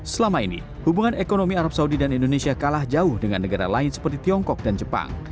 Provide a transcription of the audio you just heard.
selama ini hubungan ekonomi arab saudi dan indonesia kalah jauh dengan negara lain seperti tiongkok dan jepang